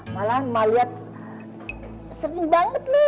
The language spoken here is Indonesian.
malahan mak liat sering banget lu